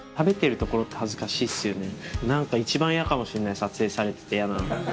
一番嫌かもしれない撮影されてて嫌なの。